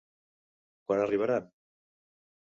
Quan arribaran?